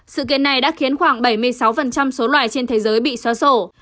sự kiện này đã khiến khoảng bảy mươi sáu số loài trên thế giới bị xóa sổ